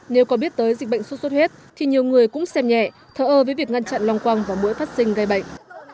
nếu có biết tới dịch bệnh sốt sốt huyết thì nhiều người cũng xem nhẹ thở ơ với việc ngăn chặn lòng quăng và mũi phát sinh gây bệnh